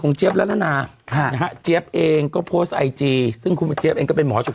ของเจฟนะคะเจฟเองก็โพสไอจีซึ่งคนเจฟเองก็เป็นหมอ